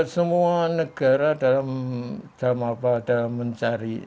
semua negara dalam mencari